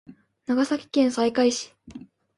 長崎県西海市